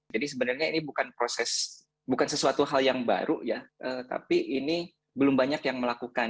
jadi sebenarnya ini bukan proses bukan sesuatu hal yang baru ya tapi ini belum banyak yang melakukan